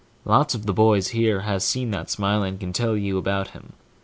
Lots of the boys here has seen that Smiley, and can tell you about him.